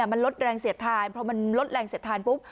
มันลดแรงเสียดทานเพราะมันลดแรงเสียดทานปุ๊บ